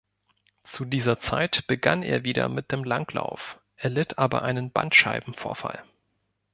Zu dieser Zeit begann er wieder mit dem Langlauf, erlitt aber einen Bandscheibenvorfall.